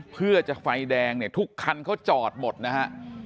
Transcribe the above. เพื่อจะไฟแดงเนี่ยทุกคันเขาจอดหมดนะฮะ